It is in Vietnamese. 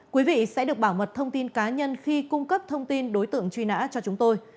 quý vị sẽ được bảo mật thông tin cá nhân khi cung cấp thông tin đối tượng truy nã cho chúng tôi